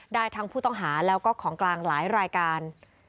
ได้ทั้งผู้ต้องหาแล้วก็ของกลางหลายรายการ